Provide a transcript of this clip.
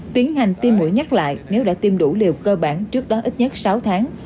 tiến hành tiêm mũi nhắc lại nếu đã tiêm đủ liều cơ bản trước đó ít nhất sáu tháng